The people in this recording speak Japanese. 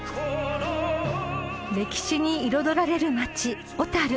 ［歴史に彩られる町小樽］